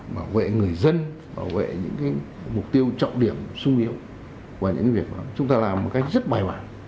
bảo vệ người dân bảo vệ những mục tiêu trọng điểm sung yếu và những việc mà chúng ta làm một cách rất bài bản